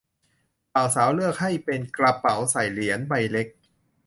บ่าวสาวเลือกให้เป็นกระเป๋าใส่เหรียญใบเล็ก